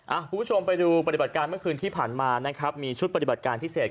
คุณผู้ชมไปดูปฏิบัติการเมื่อคืนที่ผ่านมานะครับมีชุดปฏิบัติการพิเศษ